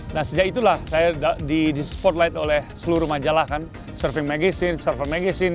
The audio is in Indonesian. nah sejak itulah saya di spotlight oleh surfer magazine